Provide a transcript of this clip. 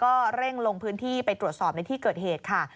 ก็เร่งลงพื้นที่ไปตรวจสอบในที่เกิดเหตุค่ะ